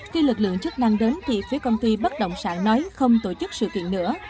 khi lực lượng chức năng đến thì phía công ty bất động sản nói không tổ chức sự kiện nữa